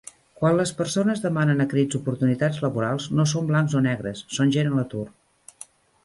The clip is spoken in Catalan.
Quant les persones demanen a crits oportunitats laborals no són blancs o negres, són gent a l'atur.